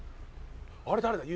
あれ誰だ？